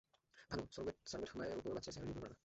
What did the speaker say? Bhanu, surrogate মায়ের ওপর বাচ্চার চেহারা নির্ভর করে না।